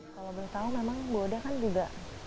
kalau beritahu memang bu oda kan juga